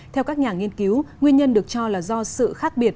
theo các nhà nghiên cứu nguyên nhân được cho là do sự khác biệt